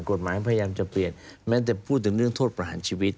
พยายามจะเปลี่ยนแม้แต่พูดถึงเรื่องโทษประหารชีวิต